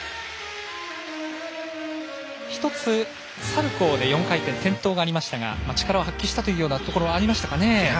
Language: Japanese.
１つ、サルコーで４回転で転倒がありましたが力を発揮したというところはありましたかね。